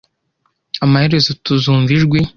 Amaherezo tuzumva ijwi.